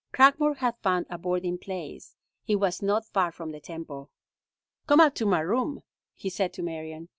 Cragmore had found a boarding place. It was not far from the temple. "Come up to my room," he said to Marion.